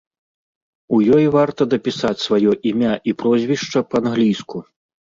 У ёй варта дапісаць сваё імя і прозвішча па-англійску.